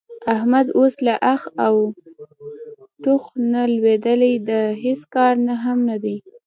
احمد اوس له اخ او ټوخ نه لوېدلی د هېڅ کار هم نه دی.